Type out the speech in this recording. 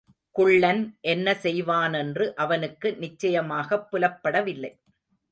குள்ளன் என்ன செய்வானென்று அவனுக்கு நிச்சயமாகப் புலப்படவில்லை.